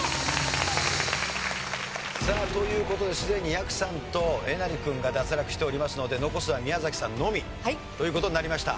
さあという事ですでにやくさんとえなり君が脱落しておりますので残すは宮崎さんのみという事になりました。